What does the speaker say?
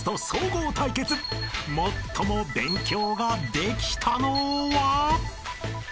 ［最も勉強ができたのは？］